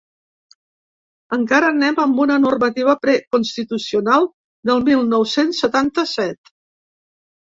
Encara anem amb una normativa preconstitucional del mil nou-cents setanta-set.